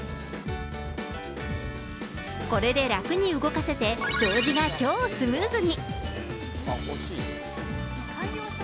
これで楽に動かせて、掃除が超スムーズに。